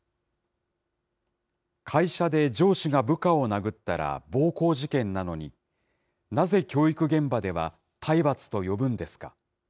会社で上司が部下を殴ったら暴行事件なのに、なぜ教育現場では体罰と呼ぶんですか。